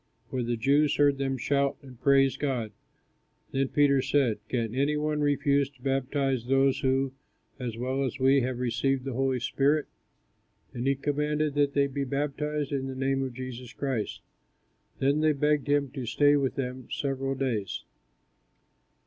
For the Jews heard them shout and praise God. Then Peter said, "Can any one refuse to baptize those who, as well as we, have received the Holy Spirit?" And he commanded that they be baptized in the name of Jesus Christ. Then they begged him to stay with them several days.